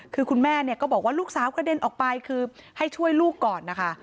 คือคุณแม่เนี่ยก็บอกว่าลูกสาวกระเด็นออกไปคือให้ช่วยลูกก่อนนะคะ